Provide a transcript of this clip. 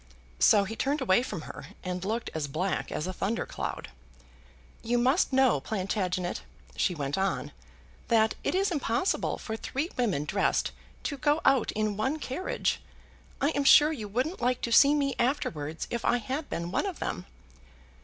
So he turned away from her, and looked as black as a thundercloud. "You must know, Plantagenet," she went on, "that it is impossible for three women dressed to go out in one carriage. I am sure you wouldn't like to see me afterwards if I had been one of them."